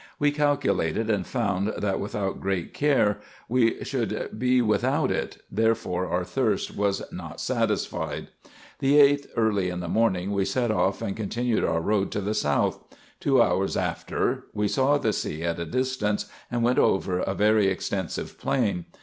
We calculated, and found that without great care we u u 330 RESEARCHES AND OPERATIONS should be without it ; therefore, our thirst was not satisfied. The 8th, early in the morning, we set off and continued our road to the south. Two hours after, we saw the sea at a distance, and went over a very extensive plain.